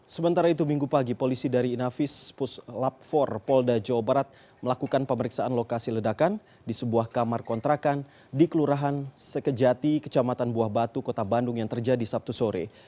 sementara itu minggu pagi polisi dari inavis puslap empat polda jawa barat melakukan pemeriksaan lokasi ledakan di sebuah kamar kontrakan di kelurahan sekejati kecamatan buah batu kota bandung yang terjadi sabtu sore